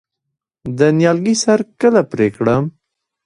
د نیالګي سر کله پرې کړم؟